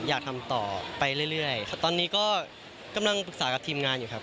อยากทำต่อไปเรื่อยครับตอนนี้ก็กำลังปรึกษากับทีมงานอยู่ครับ